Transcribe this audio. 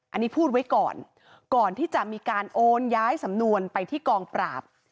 อันนี้พูดไว้ก่อนก่อนที่จะมีการโอนย้ายสำนวนไปที่กองปราบ